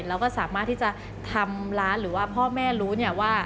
เราก็สามารถที่จะทำร้านหรือว่าพ่อแม่รู้เนี่ยว่า